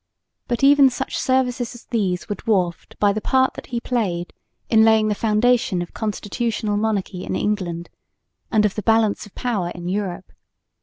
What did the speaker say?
But even such services as these were dwarfed by the part that he played in laying the foundation of constitutional monarchy in England, and of the balance of power in Europe.